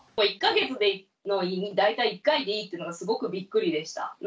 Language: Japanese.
１か月で大体１回でいいというのがすごくびっくりでした。